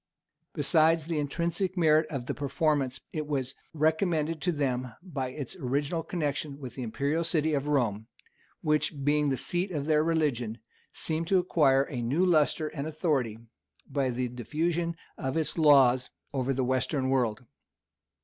Besides the intrinsic merit of the performance, it was recommended to them by its original connection with the imperial city of Rome, which, being the seat of their religion, seemed to acquire a new lustre and authority by the diffusion of its laws over the western world.